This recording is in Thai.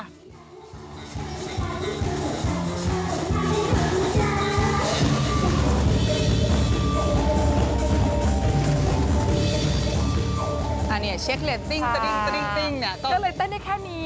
อันนี้เช็คเรตติ้งสดิ้งสดิ้งเนี่ยก็เลยเต้นได้แค่นี้